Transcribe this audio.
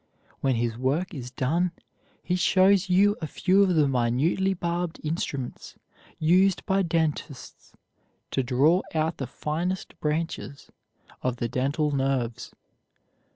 When his work is done, he shows you a few of the minutely barbed instruments used by dentists to draw out the finest branches of the dental nerves.